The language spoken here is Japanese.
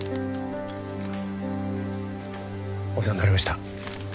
お世話になりました。